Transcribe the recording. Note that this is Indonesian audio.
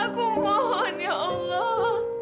aku mohon ya allah